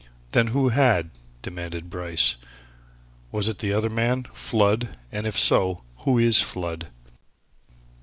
"Then who had?" demanded Bryce. "Was it the other man Flood? And if so, who is Flood?"